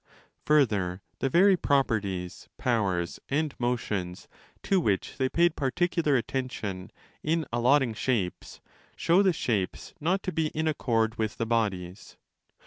Further, the very properties, powers, and motions, to which they paid particular attention in allotting shapes, 306° 320 show the shapes not to be in accord with the bodies.